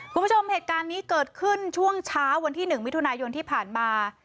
คุณผู้ชมเหตุการณ์นี้เกิดขึ้นช่วงเช้าวันที่๑มิถุนายนที่ผ่านมา